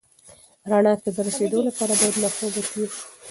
رڼا ته د رسېدو لپاره باید له خوبه تېر شې.